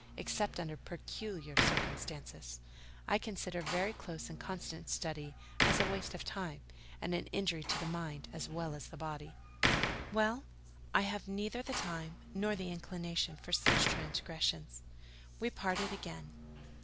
Except under peculiar circumstances, I consider very close and constant study as a waste of time, and an injury to the mind as well as the body." "Well, I have neither the time nor the inclination for such transgressions." We parted again.